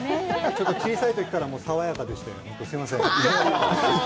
ちょっと小さいときから爽やかでして、すみません。